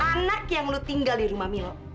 anak yang lo tinggal di rumah milo